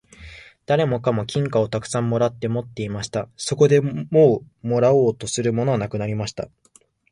誰もかも金貨をたくさん貰って持っていました。そこでもう貰おうとするものはなくなりました。